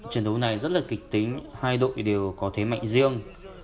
trận đấu này rất là kịch tính hai đội đều có thế mạnh riêng